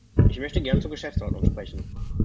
Ich möchte gerne zur Geschäftsordnung sprechen.